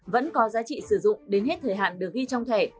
vẫn có giá trị sử dụng đến hết thời hạn được ghi trong thẻ